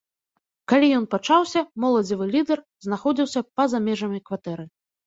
Калі ён пачаўся, моладзевы лідэр знаходзіўся па за межамі кватэры.